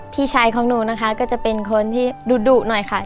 พี่ชายของหนูนะคะก็จะเป็นคนที่ดุหน่อยค่ะ